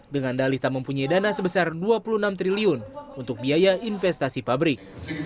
dengan dalih tak mempunyai dana sebesar rp dua puluh enam triliun untuk biaya investasi pabrik